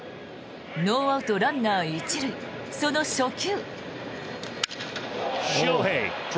ノーアウト、ランナー１塁その初球。